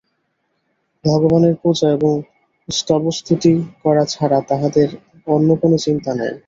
ভগবানের পূজা এবং স্তবস্তুতি করা ছাড়া তাঁহাদের অন্য কোন চিন্তা নাই।